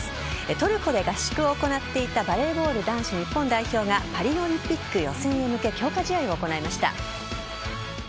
トルコで合宿を行っていたバレーボール男子日本代表がパリオリンピック予選へ向け強化試合を行いました。